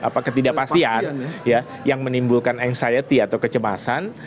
apa ketidakpastian yang menimbulkan anxiety atau kecemasan